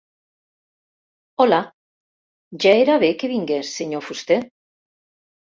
Hola, ja era bé que vingués, senyor fuster.